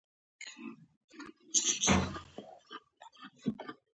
ایا ذهني فشار لرئ؟